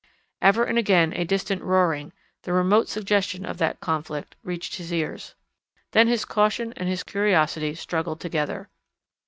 Ever and again a distant roaring, the remote suggestion of that conflict, reached his ears. Then his caution and his curiosity struggled together.